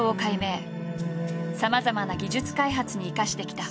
さまざまな技術開発に生かしてきた。